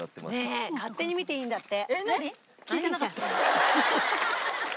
ねえ勝手に見ていいんだって。